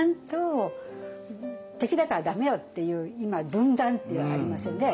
「敵だから駄目よ」っていう今分断ってありますよね。